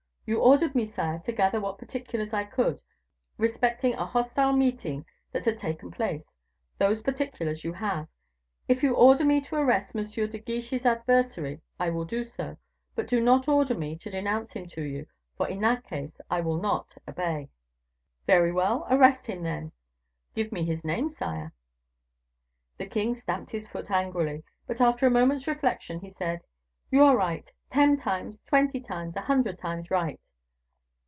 "You ordered me, sire, to gather what particulars I could, respecting a hostile meeting that had taken place; those particulars you have. If you order me to arrest M. de Guiche's adversary, I will do so; but do not order me to denounce him to you, for in that case I will not obey." "Very well! Arrest him, then." "Give me his name, sire." The king stamped his foot angrily; but after a moment's reflection, he said, "You are right ten times, twenty times, a hundred times right."